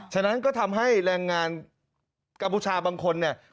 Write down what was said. ฉะนั้นก็ทำให้แรงงานกัมพูชาบางคนเนี่ย